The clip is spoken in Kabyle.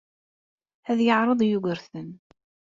Ad yeɛreḍ Yugurten.